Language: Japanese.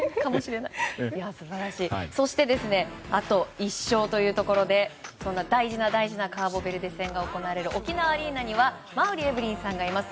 そしてあと１勝というところでそんな大事な大事なカーボベルデ戦が行われる沖縄アリーナには馬瓜エブリンさんがいます。